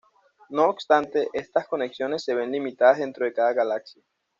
No obstante, estas conexiones se ven limitadas dentro de cada galaxia.